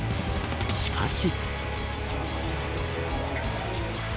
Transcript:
しかし。